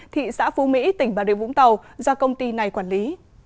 thị xã phú mỹ tỉnh bà rịa vũng tàu do công ty này quản lý